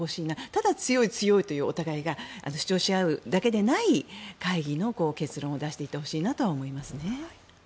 ただ、お互いが強い強いと主張し合うだけでない会議の結論を出していってほしいなとは思いますね。